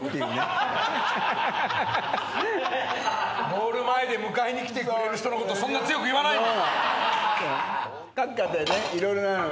ゴール前で迎えに来てくれる人のことをそんな強く言わないの。